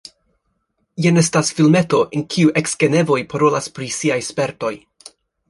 Jen estas filmeto, en kiu eks-genevoj parolas pri siaj spertoj.